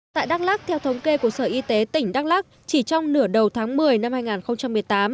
tại đắk lắc theo thống kê của sở y tế tỉnh đắk lắc chỉ trong nửa đầu tháng một mươi năm hai nghìn một mươi tám